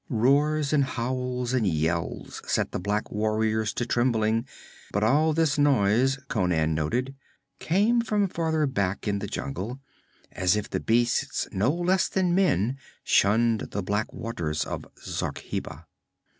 Roars and howls and yells set the black warriors to trembling, but all this noise, Conan noted, came from farther back in the jungle, as if the beasts no less than men shunned the black waters of Zarkheba.